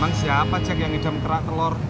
emang siapa jack yang ngidam kerak telor